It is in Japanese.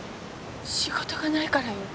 仕事がないからよ。